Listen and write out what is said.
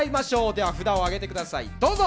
では札を上げてくださいどうぞ。